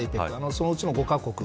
そのうちの５カ国。